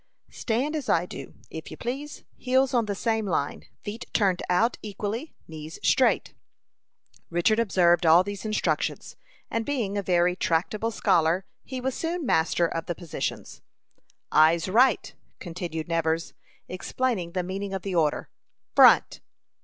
"Stand as I do, if you please heels on the same line, feet turned out equally, knees straight." Richard observed all these instructions, and being a very tractable scholar, he was soon master of the positions. "Eyes right!" continued Nevers, explaining the meaning of the order. "Front."